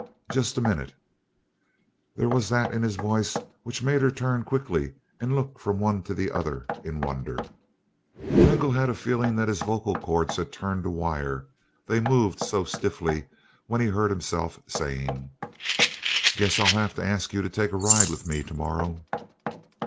"Just a minute." There was that in his voice which made her turn quickly and look from one to the other in wonder. Lingle had a feeling that his vocal cords had turned to wire, they moved so stiffly, when he heard himself saying: "Guess I'll have to ask you to take a ride with me to morrow."